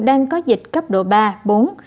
đang có dịch cấp độ ba bốn